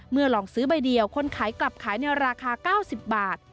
ลองซื้อใบเดียวคนขายกลับขายในราคา๙๐บาท